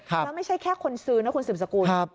แล้วไม่ใช่แค่คนซื้อนะคุณสืบสกุล